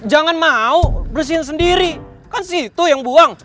jangan mau bersihin sendiri kan situ yang buang